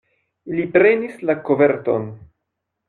Li prenis la koverton.